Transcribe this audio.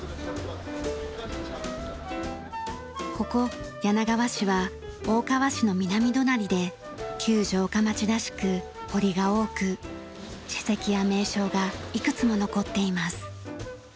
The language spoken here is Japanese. ここ柳川市は大川市の南隣で旧城下町らしく堀が多く史跡や名勝がいくつも残っています。